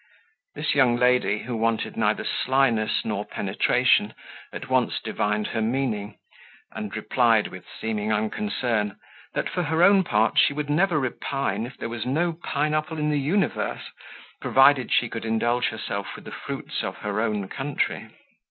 This young lady, who wanted neither slyness nor penetration, at once divined her meaning, and replied, with seeming unconcern, that for her own part she should never repine if there was no pine apple in the universe, provided she could indulge herself with the fruits of her own country.